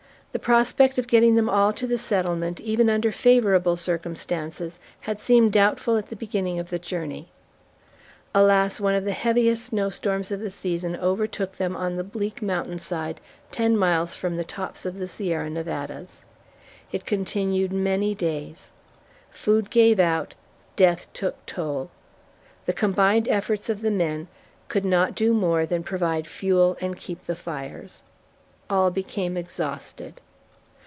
The prospect of getting them all to the settlement, even under favorable circumstances, had seemed doubtful at the beginning of the journey. Alas, one of the heaviest snow storms of the season overtook them on the bleak mountain side ten miles from the tops of the Sierra Nevadas. It continued many days. Food gave out, death took toll. The combined efforts of the men could not do more than provide fuel and keep the fires. All became exhausted.